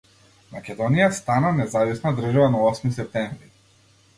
Македонија стана независна држава на Осми септември.